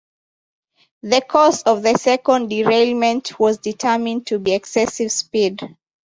The cause of the second derailment was determined to be excessive speed.